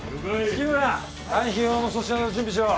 月村来賓用の粗品の準備しろ。